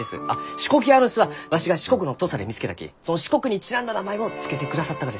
「シコキアヌス」はわしが四国の土佐で見つけたきその四国にちなんだ名前を付けてくださったがです。